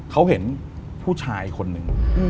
เขาเห็นผู้ชายคนหนึ่ง